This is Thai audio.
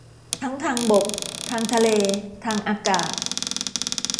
ทั้งทางบก ทางทะเล ทางอากาศ